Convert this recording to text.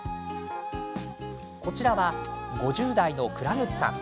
こちらは、５０代の蔵口さん。